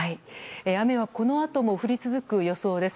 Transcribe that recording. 雨は、このあとも降り続く予想です。